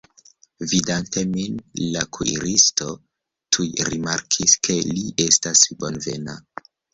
Vidante min, la kuiristo tuj rimarkis, ke li estas bonvena.